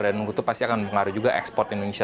dan itu pasti akan mengaruhi juga ekspor indonesia